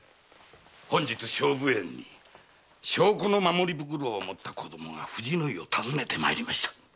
本日菖蒲園に証拠の守り袋を持った子供が藤の井を訪ねて参りました。